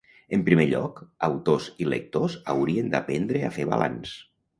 En primer lloc, autors i lectors haurien d’aprendre a fer balanç.